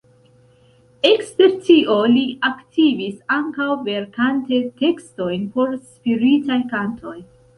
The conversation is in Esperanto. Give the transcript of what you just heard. Ekster tio li aktivis ankaŭ verkante tekstojn por spiritaj kantoj.